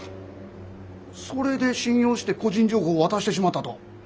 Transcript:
それで信用して個人情報を渡してしまったと？